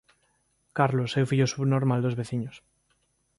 Carlos é o fillo subnormal dos veciños.